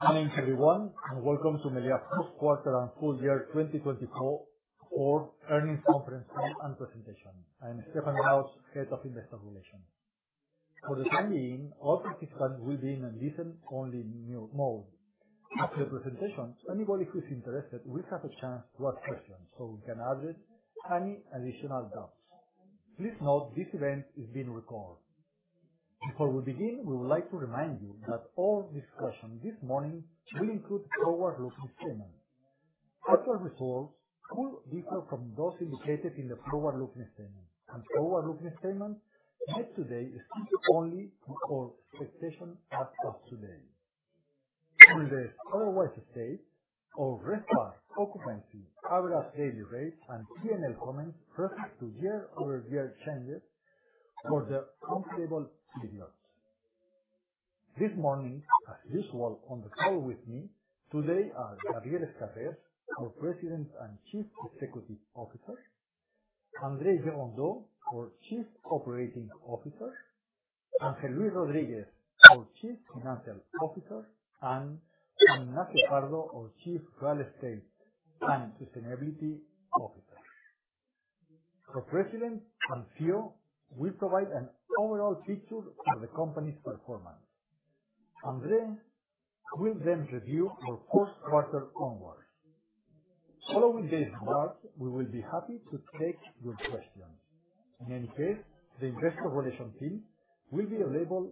Good morning, everyone, and welcome to Meliá Hotels' Fourth Quarter and Full Year 2024 Earnings Conference and Presentation. I am Stéphane Baos, Head of Investor Relations. For the time being, all participants will be in a listen-only mode. After the presentation, anybody who is interested will have a chance to ask questions so we can address any additional doubts. Please note this event is being recorded. Before we begin, we would like to remind you that all discussions this morning will include forward-looking statements. Actual results will differ from those indicated in the forward-looking statement, and forward-looking statements made today speak only to our expectations as of today. We will otherwise state our respective occupancy, average daily rates, and P&L comments refer to year-over-year changes for the comparable periods. This morning, as usual, on the call with me today are Gabriel Escarrer, our President and Chief Executive Officer; André Gerondeau, our Chief Operating Officer; Ángel Luis Rodríguez, our Chief Financial Officer; and Ignacio Pardo, our Chief Real Estate and Sustainability Officer. Our President and CEO will provide an overall picture of the company's performance. André will then review our fourth quarter onwards. Following these remarks, we will be happy to take your questions. In any case, the Investor Relations team will be available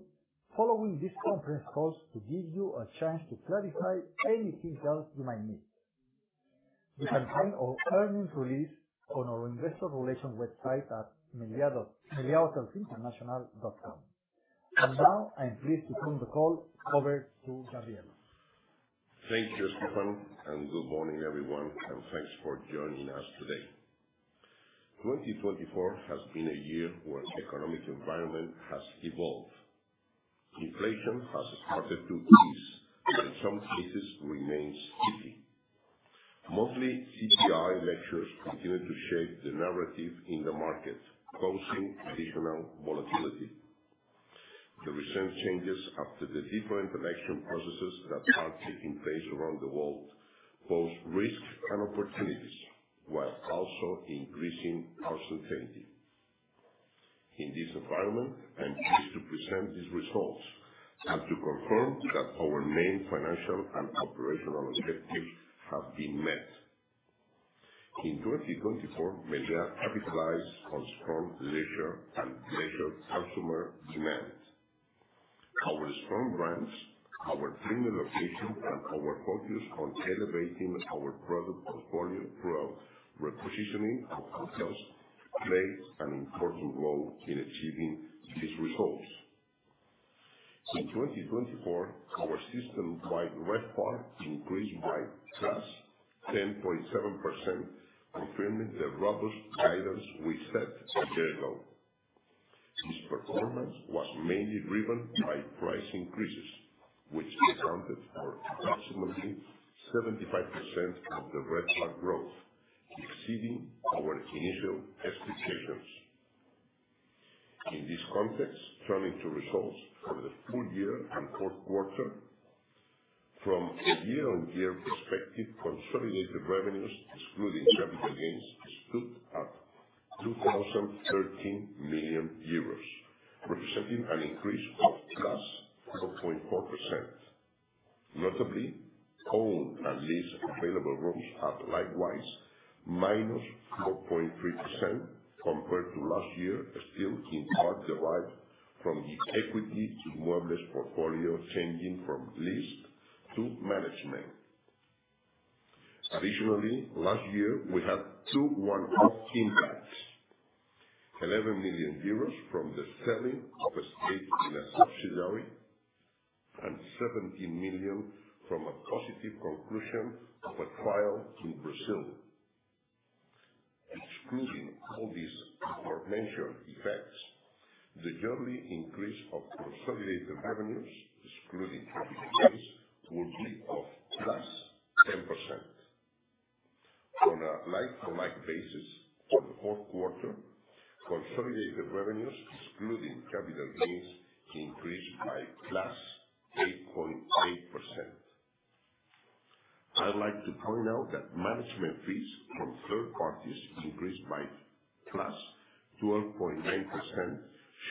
following these conference calls to give you a chance to clarify anything else you might need. You can find our earnings release on our Investor Relations website at meliáhotelsinternational.com. And now, I'm pleased to turn the call over to Gabriel. Thank you, Stéphane, and good morning, everyone, and thanks for joining us today. 2024 has been a year where the economic environment has evolved. Inflation has started to ease, but in some cases, remains steady. Monthly CPI measures continue to shape the narrative in the market, causing additional volatility. The recent changes after the different election processes that are taking place around the world pose risks and opportunities, while also increasing our certainty. In this environment, I'm pleased to present these results and to confirm that our main financial and operational objectives have been met. In 2024, Meliá capitalized on strong leisure and bleisure-consumer demand. Our strong brands, our premium location, and our focus on elevating our product portfolio through repositioning of hotels played an important role in achieving these results. In 2024, our system-wide RevPAR increased by just 10.7%, confirming the robust guidance we set a year ago. This performance was mainly driven by price increases, which accounted for approximately 75% of the RevPAR growth, exceeding our initial expectations. In this context, turning to results for the full year and fourth quarter, from a year-on-year perspective, consolidated revenues, excluding capital gains, stood at 2,013 million euros, representing an increase of just 4.4%. Notably, owned and leased available rooms have likewise -4.3% compared to last year, still in part derived from the Equity Inmuebles portfolio changing from leased to management. Additionally, last year, we had two one-off impacts: 11 million euros from the sale of a stake in a subsidiary and 17 million from a positive conclusion of a trial in Brazil. Excluding all these aforementioned effects, the yearly increase of consolidated revenues, excluding capital gains, will be of just 10%. On a like-for-like basis, for the fourth quarter, consolidated revenues, excluding capital gains, increased by +8.8%. I'd like to point out that management fees from third parties increased by +12.9%,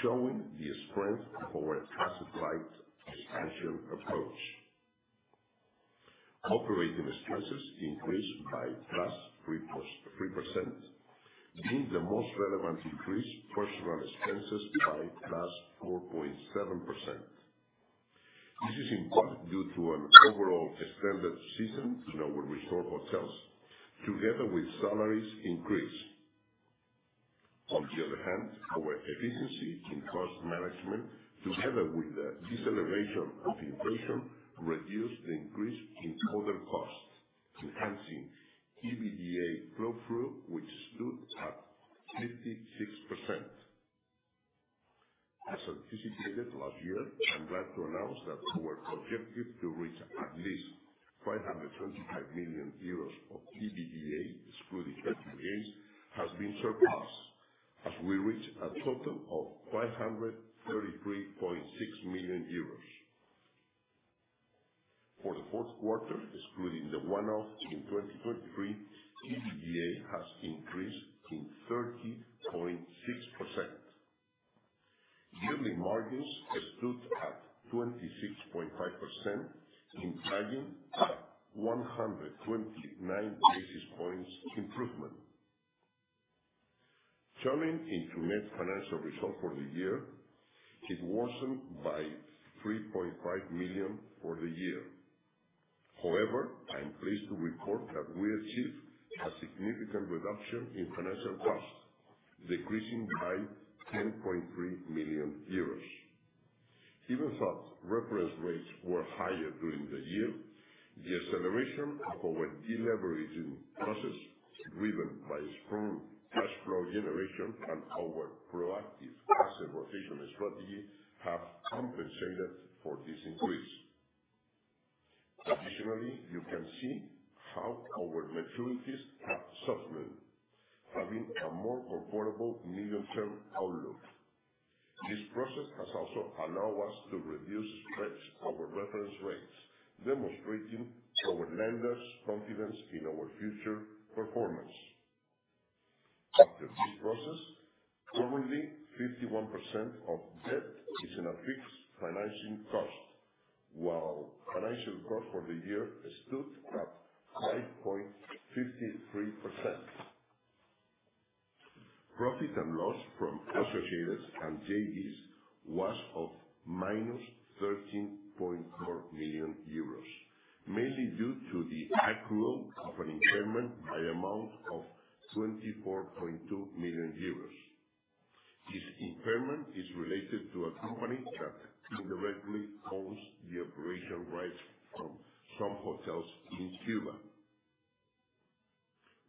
showing the strength of our asset-light expansion approach. Operating expenses increased by +3%, being the most relevant increase, personnel expenses by +4.7%. This is in part due to an overall extended season in our resort hotels, together with salaries' increase. On the other hand, our efficiency in cost management, together with the deceleration of inflation, reduced the increase in other costs, enhancing EBITDA flow-through, which stood at 56%. As anticipated last year, I'm glad to announce that our objective to reach at least 525 million euros of EBITDA, excluding capital gains, has been surpassed, as we reached a total of 533.6 million euros. For the fourth quarter, excluding the one-off in 2023, EBITDA has increased by 30.6%. Yearly margins stood at 26.5%, implying a 129 basis points improvement. Turning into net financial result for the year, it worsened by 3.5 million for the year. However, I'm pleased to report that we achieved a significant reduction in financial cost, decreasing by 10.3 million euros. Even though reference rates were higher during the year, the acceleration of our deleveraging process, driven by strong cash flow generation and our proactive asset rotation strategy, has compensated for this increase. Additionally, you can see how our maturities have softened, having a more comfortable medium-term outlook. This process has also allowed us to reduce spreads of our reference rates, demonstrating our lenders' confidence in our future performance. After this process, currently, 51% of debt is in a fixed financing cost, while financial cost for the year stood at 5.53%. Profit and loss from associates and JVs was -13.4 million euros, mainly due to the accrual of an impairment by amount of 24.2 million euros. This impairment is related to a company that indirectly owns the operation rights from some hotels in Cuba.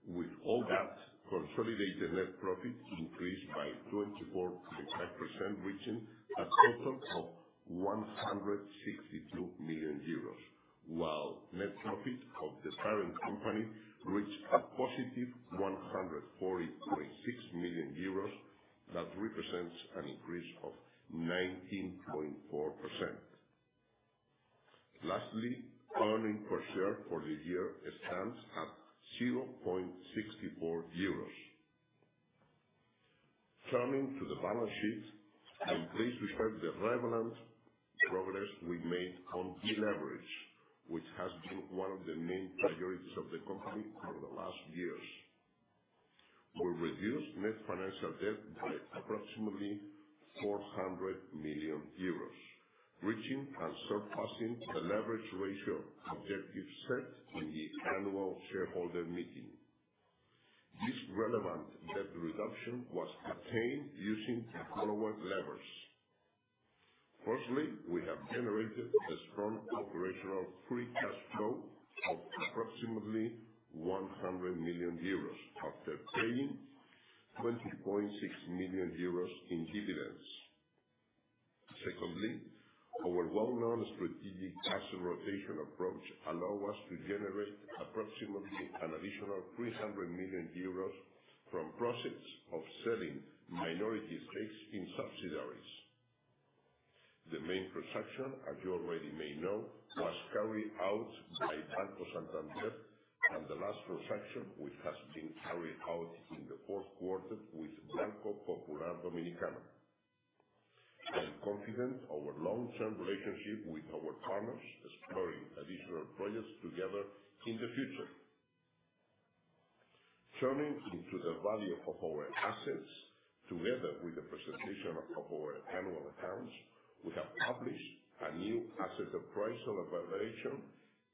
With all that, consolidated net profit increased by 24.5%, reaching a total of 162 million euros, while net profit of the parent company reached a +140.6 million euros that represents an increase of 19.4%. Lastly, earnings per share for the year stands at 0.64 euros. Turning to the balance sheet, I'm pleased to share the relevant progress we made on deleverage, which has been one of the main priorities of the company over the last years. We reduced net financial debt by approximately 400 million euros, reaching and surpassing the leverage ratio objective set in the annual shareholder meeting. This relevant debt reduction was attained using the following levers. Firstly, we have generated a strong operational free cash flow of approximately 100 million euros after paying 20.6 million euros in dividends. Secondly, our well-known strategic asset rotation approach allowed us to generate approximately an additional 300 million euros from projects of selling minority stakes in subsidiaries. The main transaction, as you already may know, was carried out by Banco Santander and the last transaction, which has been carried out in the fourth quarter with Banco Popular Dominicano. I'm confident of our long-term relationship with our partners, exploring additional projects together in the future. Turning to the value of our assets, together with the presentation of our annual accounts, we have published a new asset appraisal evaluation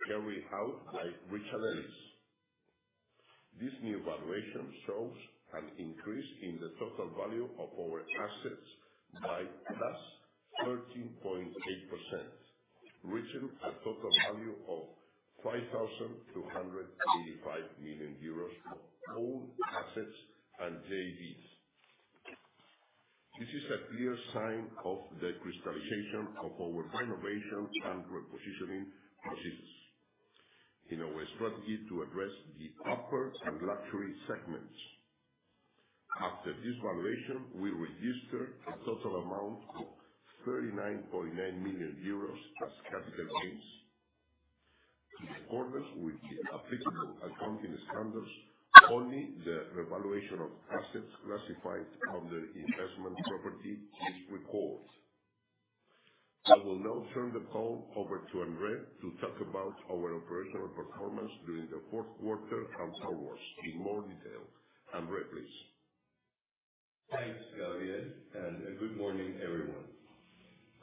carried out by CBRE. This new evaluation shows an increase in the total value of our assets by +13.8%, reaching a total value of 5,285 million euros of owned assets and JVs. This is a clear sign of the crystallization of our renovation and repositioning procedures in our strategy to address the upper and luxury segments. After this valuation, we registered a total amount of 39.9 million euros as capital gains. In accordance with the applicable accounting standards, only the revaluation of assets classified under investment property is recorded. I will now turn the call over to André to talk about our operational performance during the fourth quarter and going forward in more detail. André, please. Thanks, Gabriel, and good morning, everyone.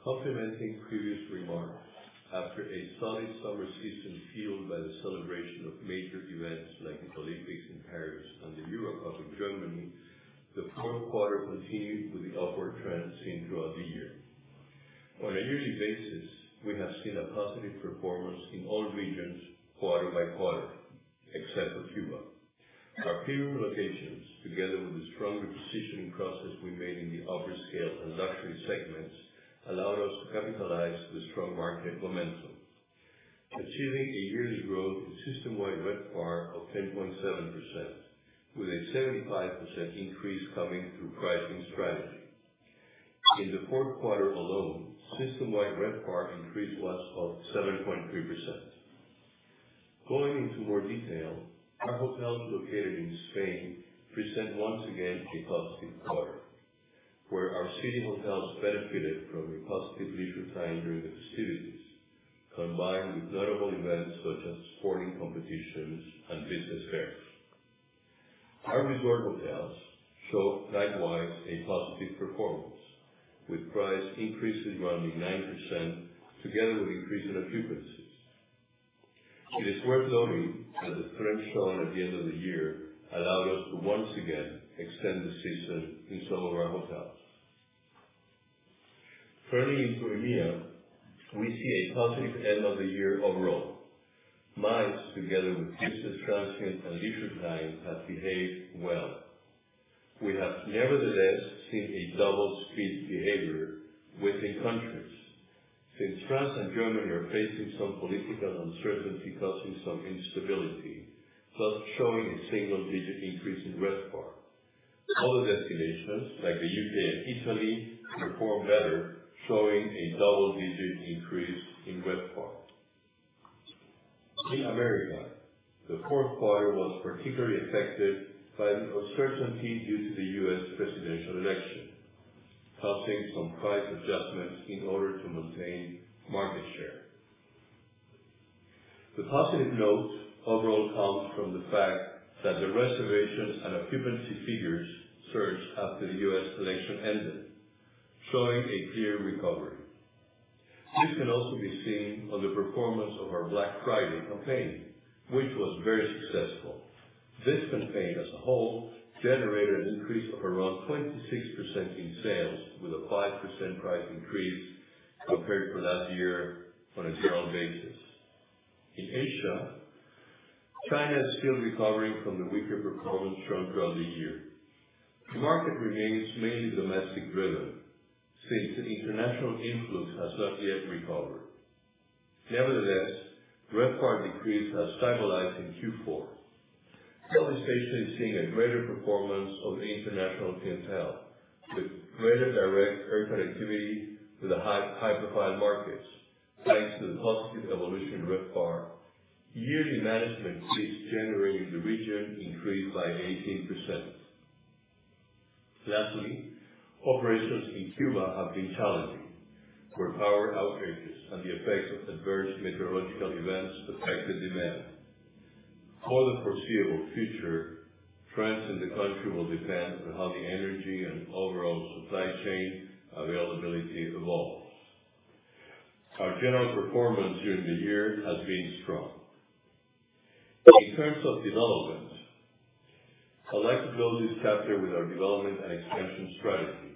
Complementing previous remarks, after a solid summer season fueled by the celebration of major events like the Olympics in Paris and the Euro Cup in Germany, the fourth quarter continued with the upward trend seen throughout the year. On a yearly basis, we have seen a positive performance in all regions quarter by quarter, except for Cuba. Our premium locations, together with the strong repositioning process we made in the upscale and luxury segments, allowed us to capitalize the strong market momentum, achieving a yearly growth in system-wide RevPAR of 10.7%, with a 75% increase coming through pricing strategy. In the fourth quarter alone, system-wide RevPAR increased was of 7.3%. Going into more detail, our hotels located in Spain present once again a positive quarter, where our city hotels benefited from a positive leisure time during the festivities, combined with notable events such as sporting competitions and business fairs. Our resort hotels showed likewise a positive performance, with price increases running 9%, together with increase in occupancy. It is worth noting that the trend shown at the end of the year allowed us to once again extend the season in some of our hotels. Turning to EMEA, we see a positive end of the year overall. MICE, together with business transient and leisure time, have behaved well. We have nevertheless seen a double-speed behavior within countries. Since France and Germany are facing some political uncertainty causing some instability, thus showing a single-digit increase in RevPAR. Other destinations, like the U.K. and Italy, perform better, showing a double-digit increase in RevPAR. In America, the fourth quarter was particularly affected by the uncertainty due to the U.S. presidential election, causing some price adjustments in order to maintain market share. The positive note overall comes from the fact that the reservations and occupancy figures surged after the U.S. election ended, showing a clear recovery. This can also be seen on the performance of our Black Friday campaign, which was very successful. This campaign, as a whole, generated an increase of around 26% in sales, with a 5% price increase compared to last year on a general basis. In Asia, China is still recovering from the weaker performance shown throughout the year. The market remains mainly domestic-driven, since the international influx has not yet recovered. Nevertheless, RevPAR decrease has stabilized in Q4. Southeast Asia is seeing a greater performance of international clientele, with greater direct air connectivity, with high-profile markets, thanks to the positive evolution in RevPAR. Yearly management fees generated in the region increased by 18%. Lastly, operations in Cuba have been challenging, where power outages and the effects of adverse meteorological events affected demand. For the foreseeable future, trends in the country will depend on how the energy and overall supply chain availability evolves. Our general performance during the year has been strong. In terms of development, I'd like to close this chapter with our development and expansion strategy.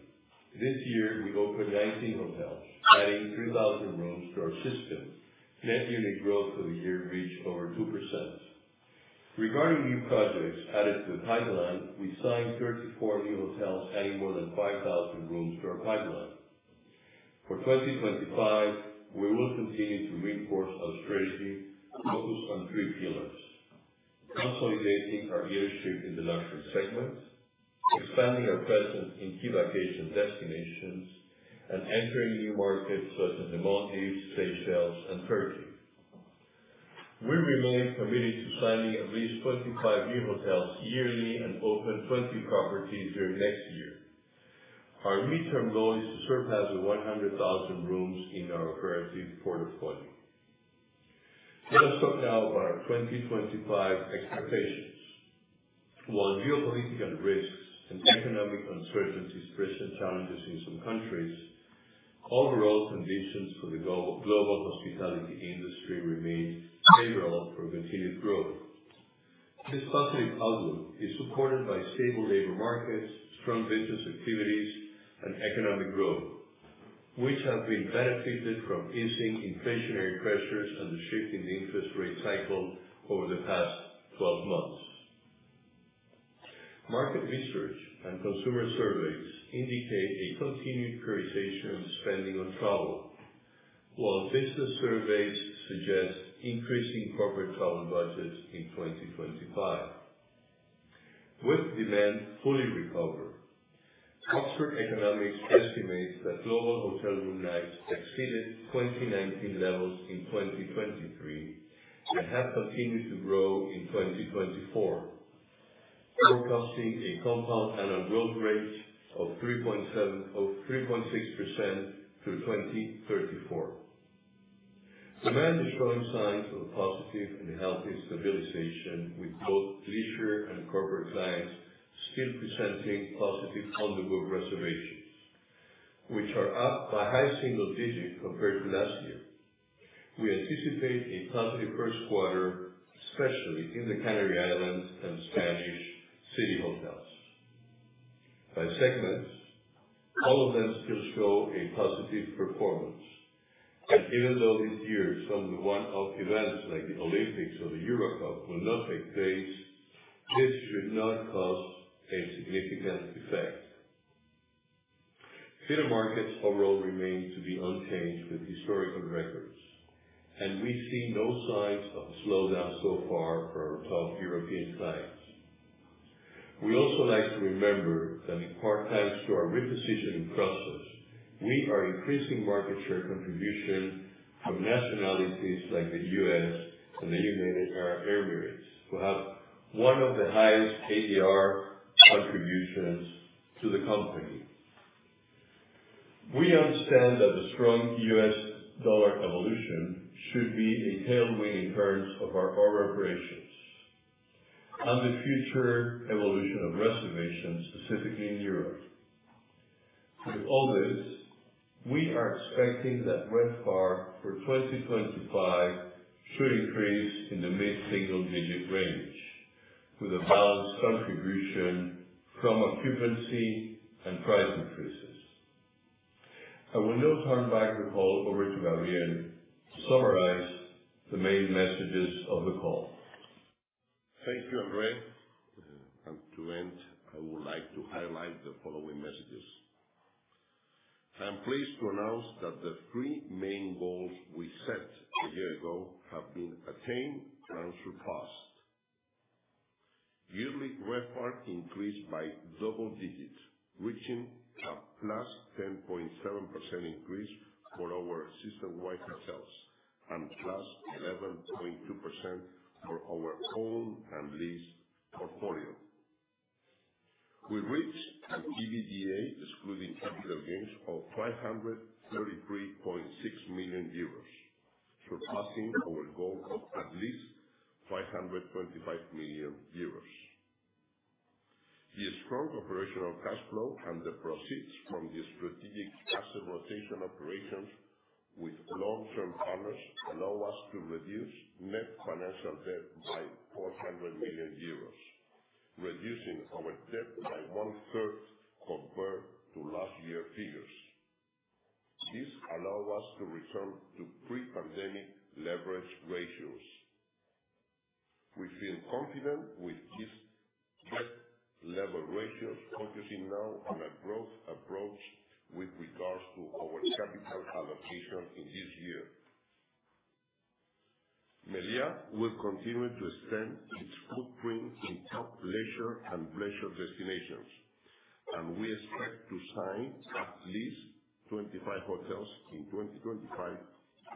This year, we opened 19 hotels, adding 3,000 rooms to our system. Net unit growth for the year reached over 2%. Regarding new projects added to the pipeline, we signed 34 new hotels, adding more than 5,000 rooms to our pipeline. For 2025, we will continue to reinforce our strategy, focused on three pillars: consolidating our leadership in the luxury segment, expanding our presence in key vacation destinations, and entering new markets such as the Maldives, Seychelles, and Turkey. We remain committed to signing at least 25 new hotels yearly and open 20 properties during next year. Our midterm goal is to surpass the 100,000 rooms in our operative portfolio. Let us talk now about our 2025 expectations. While geopolitical risks and economic uncertainties present challenges in some countries, overall conditions for the global hospitality industry remain favorable for continued growth. This positive outlook is supported by stable labor markets, strong business activities, and economic growth, which have been benefited from easing inflationary pressures and the shift in the interest rate cycle over the past 12 months. Market research and consumer surveys indicate a continued prioritization of spending on travel, while business surveys suggest increasing corporate travel budgets in 2025. With demand fully recovered, Oxford Economics estimates that global hotel room nights exceeded 2019 levels in 2023 and have continued to grow in 2024, forecasting a compound annual growth rate of 3.6% through 2034. Demand is showing signs of a positive and healthy stabilization, with both leisure and corporate clients still presenting positive on-the-books reservations, which are up by a high single digit compared to last year. We anticipate a positive first quarter, especially in the Canary Islands and Spanish City Hotels. By segments, all of them still show a positive performance, and even though this year some one-off events like the Olympics or the Euro Cup will not take place, this should not cause a significant effect. Mature markets overall remain to be unchanged with historical records, and we see no signs of a slowdown so far for our top European clients. We also like to remind that in part thanks to our repositioning process, we are increasing market share contribution from nationalities like the U.S. and the United Arab Emirates, who have one of the highest ADR contributions to the company. We understand that the strong U.S. dollar evolution should be a tailwind in terms of our operations and the future evolution of reservations, specifically in Europe. With all this, we are expecting that RevPAR for 2025 should increase in the mid-single digit range, with a balanced contribution from occupancy and price increases. I will now turn back the call over to Gabriel to summarize the main messages of the call. Thank you, André, and to end, I would like to highlight the following messages. I am pleased to announce that the three main goals we set a year ago have been attained and surpassed. Yearly RevPAR increased by double-digit, reaching a +10.7% increase for our system-wide hotels and +11.2% for our own and leased portfolio. We reached an EBITDA, excluding capital gains, of 533.6 million euros, surpassing our goal of at least 525 million euros. The strong operational cash flow and the proceeds from the strategic asset rotation operations with long-term partners allow us to reduce net financial debt by 400 million euros, reducing our debt by one-third compared to last year's figures. This allows us to return to pre-pandemic leverage ratios. We feel confident with these debt-level ratios, focusing now on a growth approach with regards to our capital allocation in this year. Meliá will continue to extend its footprint in top leisure and bleisure destinations, and we expect to sign at least 25 hotels in 2025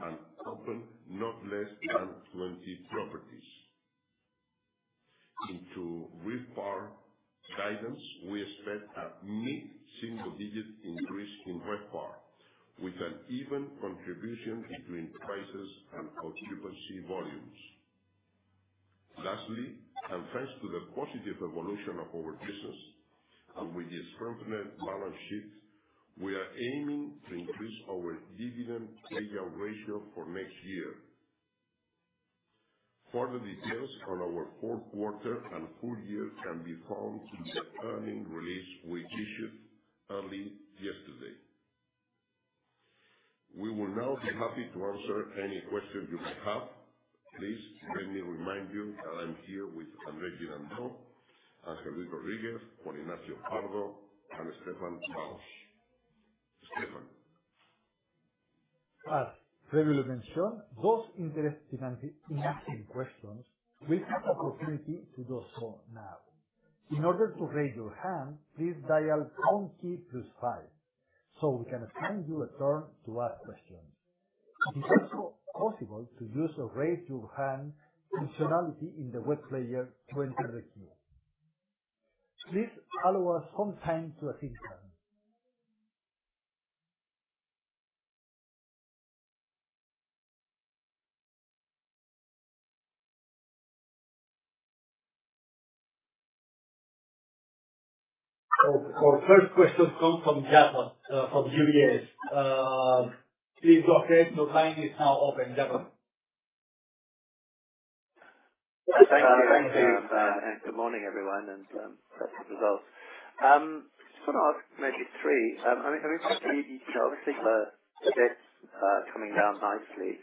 and open not less than 20 properties. Into RevPAR guidance, we expect a mid-single digit increase in RevPAR, with an even contribution between prices and occupancy volumes. Lastly, and thanks to the positive evolution of our business and with the strengthened balance sheet, we are aiming to increase our dividend payout ratio for next year. Further details on our fourth quarter and full year can be found in the earnings release we issued early yesterday. We will now be happy to answer any questions you may have. Please let me remind you that I'm here with André Gerondeau, Ángel Luis Rodríguez, Juan Ignacio Pardo, and Stéphane Baos. Stéphane. As previously mentioned, those interested in asking questions will have the opportunity to do so now. In order to raise your hand, please dial pound key then five so we can assign you a turn to ask questions. It is also possible to use the raise-your-hand functionality in the web player to enter the queue. Please allow us some time to listen to them. Our first question comes from Jarrod of UBS. Please go ahead. Your time is now open. Jarrod. Thank you. Thank you. And good morning, everyone. It's a pleasure to be with you. Just want to ask maybe three. I mean, obviously, the debt is coming down nicely.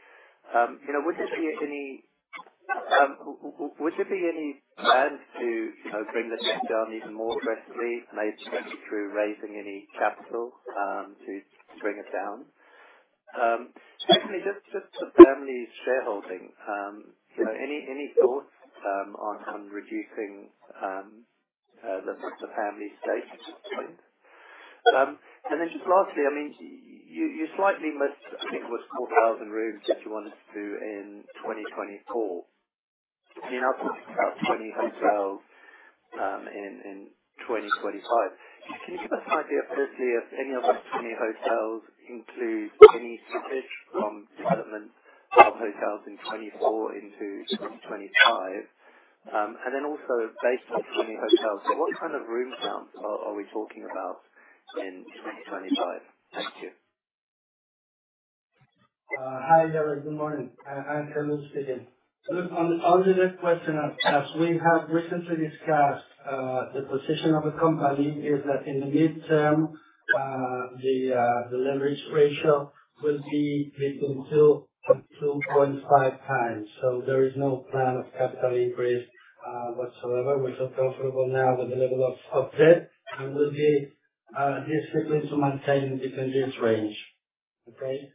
Would there be any plans to bring the debt down even more aggressively? Maybe through raising any capital to bring it down? Secondly, just the family's shareholding. Any thoughts on reducing the family stake? Point. And then just lastly, I mean, you slightly missed, I think, was 4,000 rooms that you wanted to do in 2024. I mean, you've talked about 20 hotels in 2025. Can you give us an idea, firstly, if any of those 20 hotels include any carryover from development of hotels in 2024 into 2025? And then also, based on the 20 hotels, what kind of room counts are we talking about in 2025? Thank you. Hi, André. Good morning. I'm Ángel speaking. Look, on the question of CapEx, we have recently discussed the position of the company is that in the midterm, the leverage ratio will be between 2x and 2.5x. So there is no plan of capital increase whatsoever. We're so comfortable now with the level of debt, and we'll be disciplined to maintain the continuous range. Okay?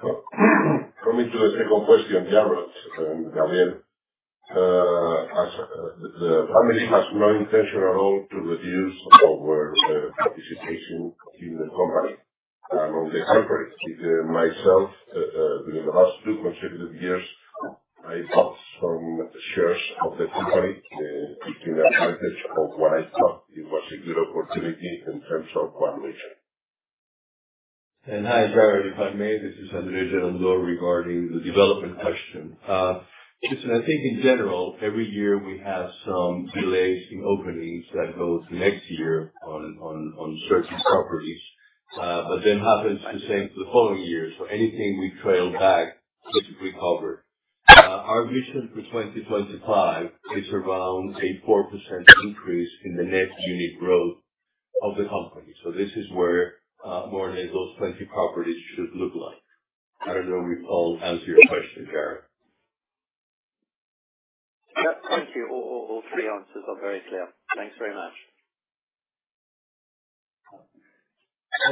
Coming to the second question, Jarrod, the family has no intention at all to reduce our participation in the company. And on the contrary, myself, during the last two consecutive years, I bought some shares of the company taking advantage of what I thought it was a good opportunity in terms of valuation. Hi, Jarrod, if I may, this is André Gerondeau regarding the development question. Listen, I think in general, every year we have some delays in openings that go to next year on certain properties, but then happens the same for the following year. So anything we trail back is recovered. Our vision for 2025 is around a 4% increase in the net unit growth of the company. So this is where more or less those 20 properties should look like. I don't know if I'll answer your question, Jarrod. Yep. Thank you. All three answers are very clear. Thanks very much.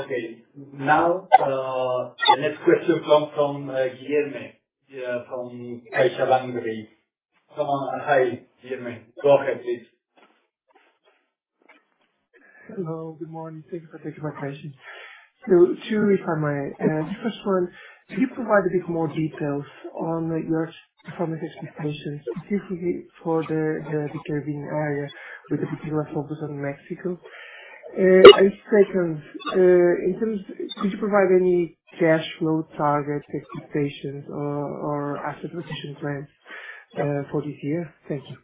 Okay. Now, the next question comes from Guillermo, from CaixaBank. Someone on the line, Guillermo. Go ahead, please. Hello. Good morning. Thank you for taking my question. So two if I may. The first one, could you provide a bit more details on your performance expectations specifically for the Caribbean area, with a particular focus on Mexico? And second, could you provide any cash flow target expectations or asset acquisition plans for this year? Thank you.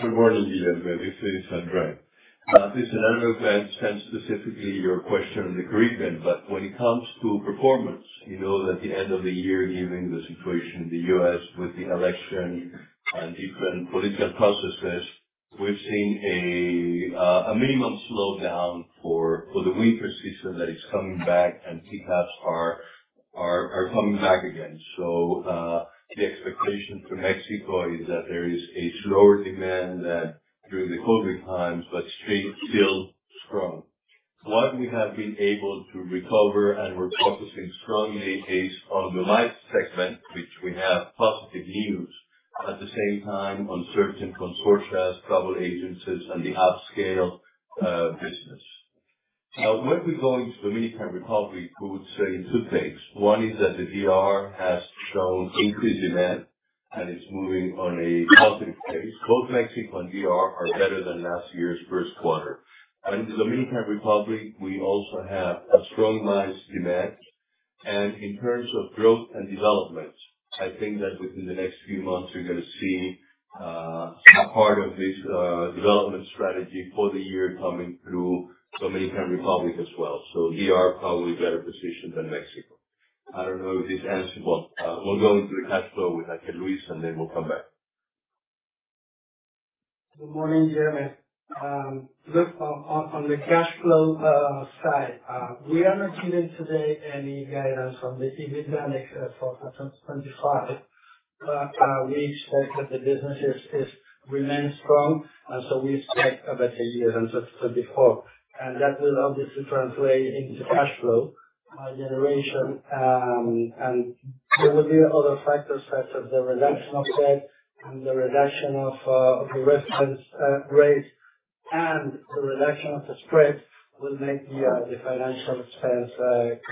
Good morning, Guillermo. This is André. This scenario plan stands specifically your question on the agreement, but when it comes to performance, at the end of the year, given the situation in the U.S. with the election and different political processes, we've seen a minimum slowdown for the winter season that is coming back, and pickups are coming back again. So the expectation for Mexico is that there is a slower demand than during the COVID times, but still strong. What we have been able to recover, and we're focusing strongly, is on the MICE segment, which we have positive news, at the same time on certain consortia, travel agencies, and the upscale business. Now, when we go into the Dominican Republic, we would say two things. One is that the DR has shown increased demand, and it's moving on a positive phase. Both Mexico and DR are better than last year's first quarter, and in the Dominican Republic, we also have a strong demand. In terms of growth and development, I think that within the next few months, we're going to see a part of this development strategy for the year coming through Dominican Republic as well. DR is probably in a better position than Mexico. I don't know if this answers one. We'll go into the cash flow with Ángel Luis, and then we'll come back. Good morning, Guillermo. Look, on the cash flow side, we are not giving today any guidance on the EBITDA next year for 2025, but we expect that the business remains strong, and so we expect a better year than 2024. And that will obviously translate into cash flow generation. And there will be other factors such as the reduction of debt and the reduction of the reference rate, and the reduction of the spread will make the financial expense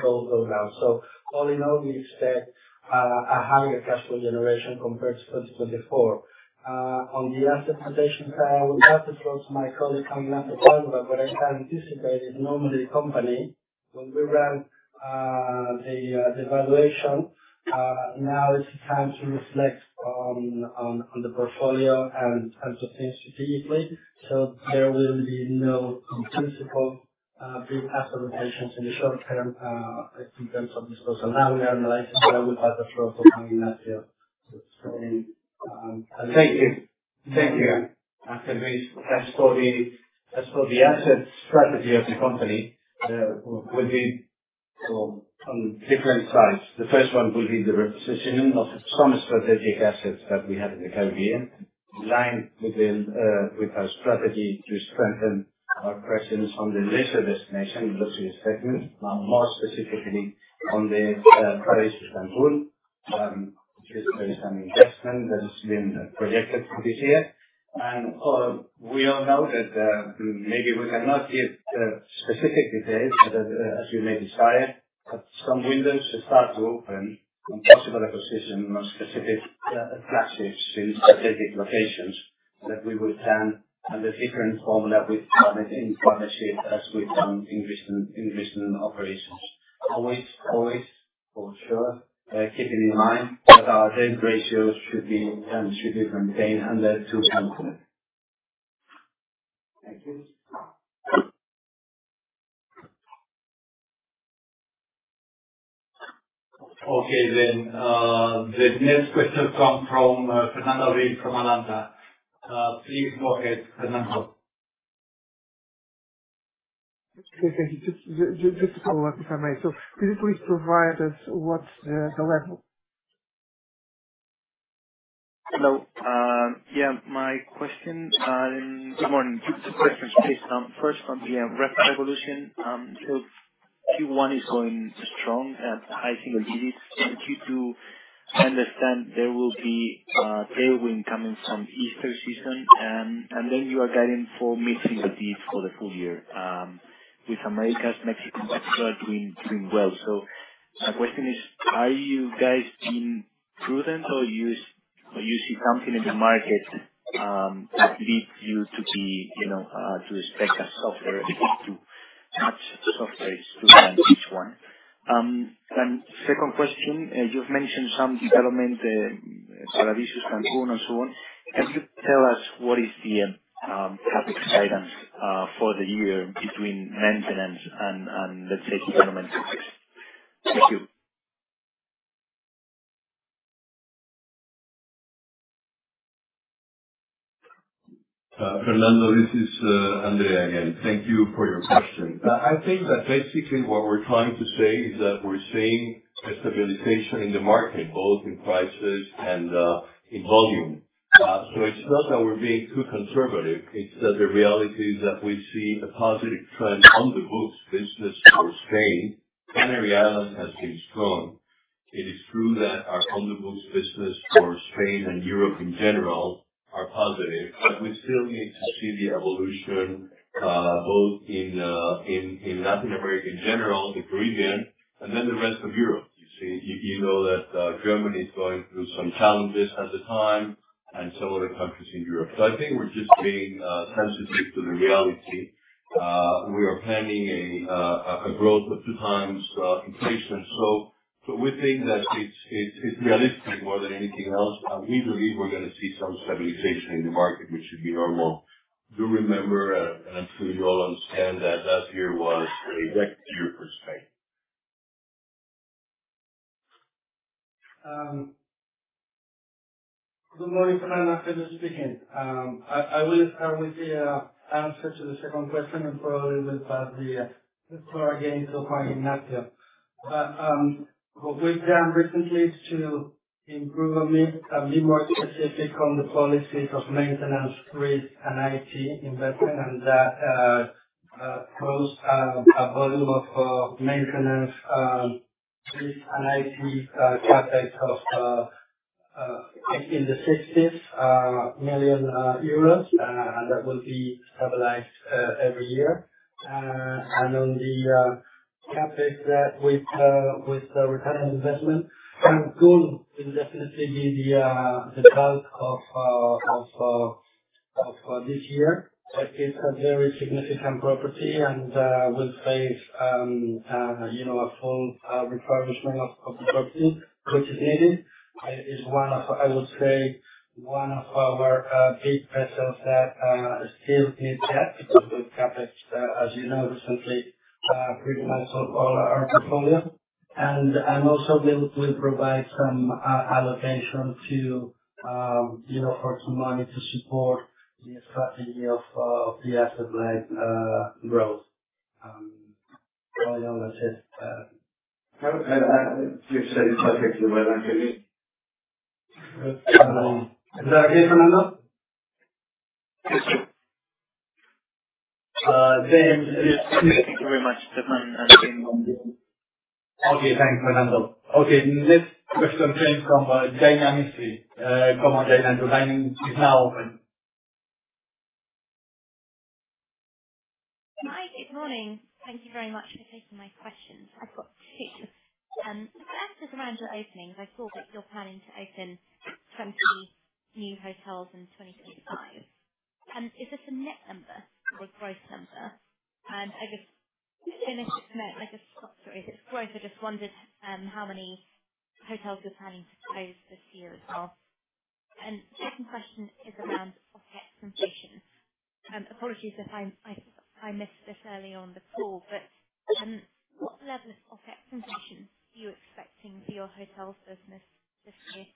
go down. So all in all, we expect a higher cash flow generation compared to 2024. On the asset rotation side, I would love to talk to my colleague Camila Zapata, but what I can anticipate is normally the company, when we ran the valuation, now it's time to reflect on the portfolio and to think strategically. There will be no principal big asset rotations in the short term in terms of this process. Now we are analyzing what I would like to throw for coming next year. Thank you. Thank you. There is a cash flow asset strategy of the company. It will be on different sides. The first one will be the repositioning of some strategic assets that we have in the Caribbean, aligned with our strategy to strengthen our presence on the leisure destination, the luxury segment, more specifically on the Paradisus Cancún, which is based on investment that has been projected for this year. We all know that maybe we cannot give specific details, but as you may decide, but some windows start to open on possible acquisition, more specific flagships in strategic locations that we will plan under different formula in partnership as we've done in recent operations. Always, always, for sure, keeping in mind that our debt ratios should be and should be maintained under 2. Thank you. Okay. Then the next question comes from Fernando Abril from Alantra. Please go ahead, Fernando. Just to follow up, if I may. So could you please provide us what's the level? Hello. Yeah. My question, good morning. Two questions, please. First on the RevPAR evolution. So Q1 is going strong at high single digits. Q2, I understand there will be tailwind coming from Easter season. Then you are guiding for mid-single digits for the full year, with Americas, Mexico, and DR doing well. So my question is, are you guys being prudent, or do you see something in the market that leads you to expect a slowdown to match the slowdown to management? Second question, you've mentioned some development for the Paradisus Cancún and so on. Can you tell us what is the CapEx guidance for the year between maintenance and, let's say, development? Thank you. Fernando, this is André again. Thank you for your question. I think that basically what we're trying to say is that we're seeing a stabilization in the market, both in prices and in volume. So it's not that we're being too conservative. It's that the reality is that we see a positive trend on the books business for Spain. Canary Islands has been strong. It is true that our on-the-books business for Spain and Europe in general are positive, but we still need to see the evolution both in Latin America in general, the Caribbean, and then the rest of Europe. You know that Germany is going through some challenges at the time and some other countries in Europe. So I think we're just being sensitive to the reality. We are planning a growth of two times inflation. So we think that it's realistic more than anything else. We believe we're going to see some stabilization in the market, which should be normal. Do remember, and I'm sure you all understand that last year was a wet year for Spain. Good morning, Fernando. Ángel speaking. I will start with the answer to the second question and probably will pass the floor again to Juan Ignacio. But what we've done recently is to improve a bit more specific on the policies of maintenance, risk, and IT investment, and that posed a volume of maintenance, risk, and IT CapEx of 60 million euros, and that will be stabilized every year. On the CapEx with return on investment, Cancun will definitely be the bulk of this year. It's a very significant property, and we'll face a full refurbishment of the property, which is needed. It's one of, I would say, one of our big vessels that still need debt because we've CapExed, as you know, recently pretty much all our portfolio. Also we'll provide some allocation for some money to support the strategy of the asset-led growth. All in all, that's it. You've said it perfectly well, André. Is that okay, Fernando? Yes, sir. Thank you very much, Ángel and André. Okay. Thanks, Fernando. Okay. Next question came from Dani Amissi, Common Gate Entertainment. He's now open. Hi. Good morning. Thank you very much for taking my questions. I've got two. The first is around your openings. I saw that you're planning to open 20 new hotels in 2025. Is this a net number or a gross number? I just finished - no, I just stopped. Sorry. If it's gross, I just wondered how many hotels you're planning to close this year as well. And the second question is around OpEx inflation. Apologies if I missed this early on the call, but what level of OpEx inflation are you expecting for your hotel business this year?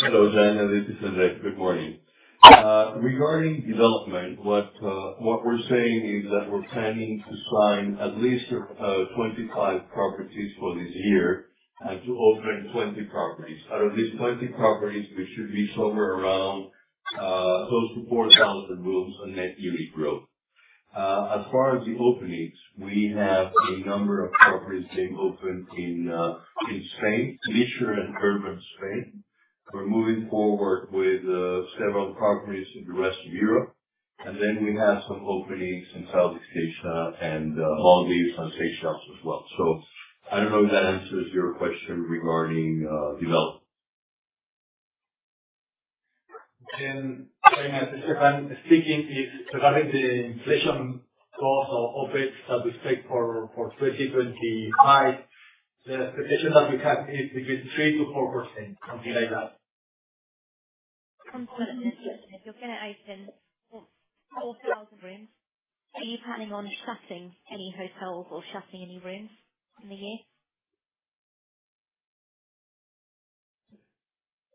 Hello, Dani. This is André. Good morning. Regarding development, what we're saying is that we're planning to sign at least 25 properties for this year and to open 20 properties. Out of these 20 properties, we should be somewhere around close to 4,000 rooms and net unit growth. As far as the openings, we have a number of properties being opened in Spain, leisure and urban Spain. We're moving forward with several properties in the rest of Europe. And then we have some openings in Southeast Asia and Maldives and Seychelles as well. So I don't know if that answers your question regarding development. And very nice to hear. And speaking is regarding the inflation cost of OpEx that we expect for 2025, the expectation that we have is between 3%-4%, something like that. Complement this question. If you're going to open 4,000 rooms, are you planning on shutting any hotels or shutting any rooms in the year?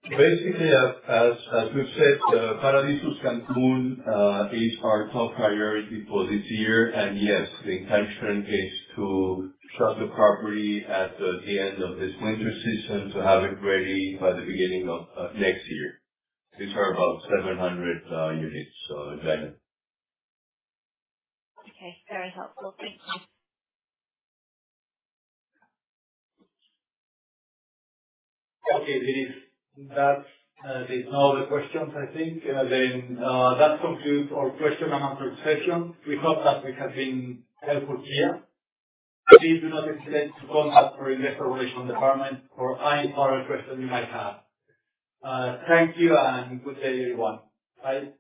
Basically, as we've said, Paradisus Cancún is our top priority for this year. Yes, the intention is to shut the property at the end of this winter season to have it ready by the beginning of next year. These are about 700 units, Dani. Okay. Very helpful. Thank you. Okay. That's all the questions, I think. Then that concludes our question and answer session. We hope that we have been helpful here. Please do not hesitate to contact our investor relations department for any further questions you might have. Thank you, and good day, everyone. Bye.